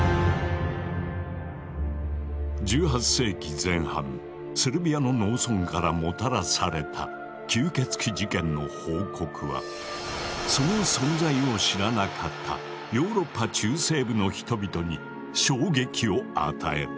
１８世紀前半セルビアの農村からもたらされた吸血鬼事件の報告はその存在を知らなかったヨーロッパ中西部の人々に衝撃を与えた。